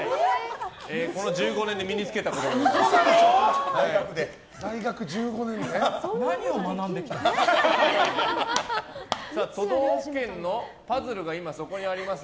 この１５年で身に付けたことです。